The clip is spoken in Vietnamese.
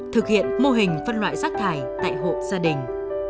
thực hiện mô hình phân loại rác thải tại hộ gia đình